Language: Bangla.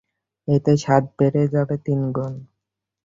এতেই স্বাদ বেড়ে যাবে তিনগুণ।